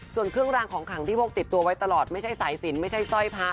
ส่วนเครื่องรางของขังที่พกติดตัวไว้ตลอดไม่ใช่สายสินไม่ใช่สร้อยพระ